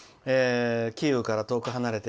「キーウから遠く離れて」